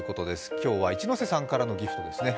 今日は一ノ瀬さんからのＧＩＦＴですね。